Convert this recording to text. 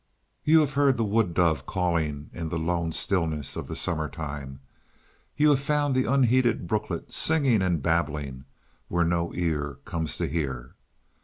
You have heard the wood dove calling in the lone stillness of the summertime; you have found the unheeded brooklet singing and babbling where no ear comes to hear.